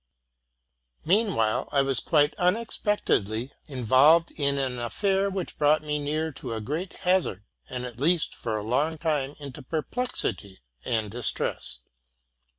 Meanwhile I was quite unexpectedly involved in an affair which brought me near to a great hazard, and at least for a long time into perplexity and distress.